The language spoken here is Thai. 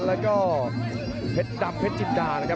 แล้วก็เพชรดำเพชรจินดานะครับ